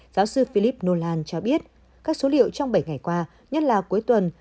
giáo sư philip nolan cho biết các số liệu trong bảy ngày qua nhất là cuối tuần